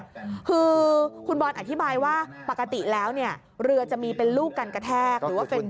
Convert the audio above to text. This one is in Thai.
คือคุณบอลอธิบายว่าปกติแล้วเนี่ยเรือจะมีเป็นลูกกันกระแทกหรือว่าเป็น